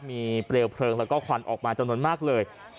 มีเปลวเพลิงแล้วก็ควันออกมาจำนวนมากเลย